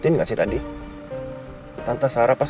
dan kenapa dia menanyakan soal nindi